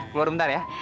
keluar sebentar ya